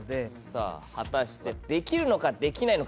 さぁ果たしてできるのかできないのか。